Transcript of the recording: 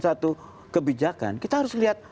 satu kebijakan kita harus lihat